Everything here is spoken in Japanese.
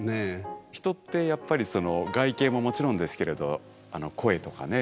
人ってやっぱりその外見ももちろんですけれど声とかね